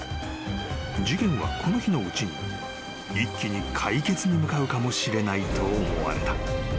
［事件はこの日のうちに一気に解決に向かうかもしれないと思われた］